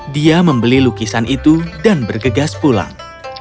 dia membeli lukisan itu dan bergegas pulang